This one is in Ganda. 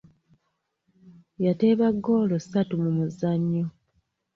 Yateeba ggoola ssatu mu muzannyo.